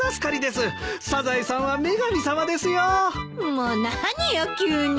もう何よ急に。